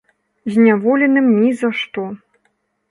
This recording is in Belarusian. Зняволеным ні за што.